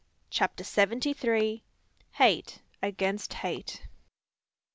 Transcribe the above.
CHAPTER SEVENTY THREE. HATE AGAINST HATE.